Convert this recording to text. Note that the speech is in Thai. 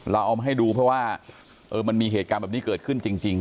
เราเอามาให้ดูเพราะว่ามันมีเหตุการณ์แบบนี้เกิดขึ้นจริง